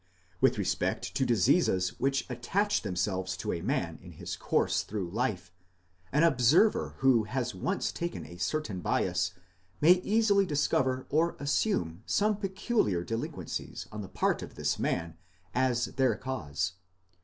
With respect to diseases which attach themselves to a man in his course through life, an observer who has once taken a certain bias, may easily discover or assume some peculiar delinquencies on the part of this man as their cause.